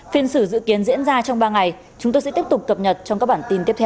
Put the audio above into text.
phiên xử dự kiến diễn ra trong ba ngày chúng tôi sẽ tiếp tục cập nhật trong các bản tin tiếp theo